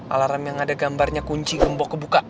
alarm yang ada gambarnya kunci gembok kebuka